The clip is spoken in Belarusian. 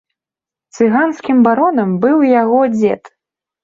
Цыганскім баронам быў і яго дзед.